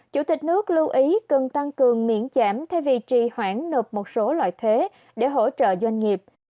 chủ tịch nước lưu ý cần tăng cường miễn giảm thay vì trì hoãn nộp một số loại thuế để hỗ trợ doanh nghiệp